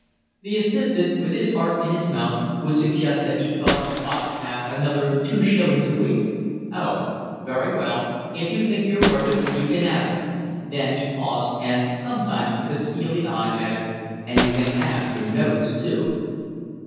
The assistant, with his heart in his mouth, would suggest that he thought he ought to have another two shillings a week. "Oh, very well, if you think you're worth it. You can 'ave it." Then he paused and sometimes, with a steely eye, added: "And you can 'ave your notice too."